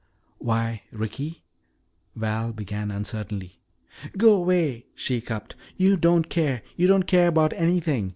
"Why, Ricky " Val began uncertainly. "Go 'way," she hiccupped. "You don't care you don't care 'bout anything.